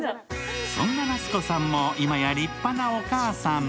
そんな夏子さんも今や立派なお母さん。